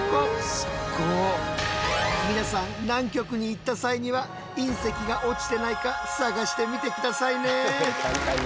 皆さん南極に行った際には隕石が落ちてないか探してみてくださいね。